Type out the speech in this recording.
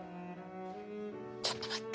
ちょっと待って。